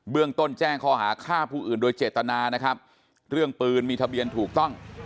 เรื่องต้นแจ้งข้อหาฆ่าผู้อื่นโดยเจตนานะครับเรื่องปืนมีทะเบียนถูกต้อง